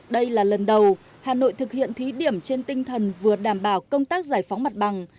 đây là lần đầu hà nội thực hiện thí điểm trên tinh thần vừa đảm bảo công tác giải phóng mặt bằng